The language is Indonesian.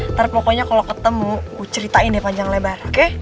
ntar pokoknya kalo ketemu gue ceritain deh panjang lebar oke